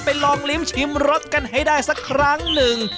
ลองลิ้มชิมรสกันให้ได้สักครั้งหนึ่ง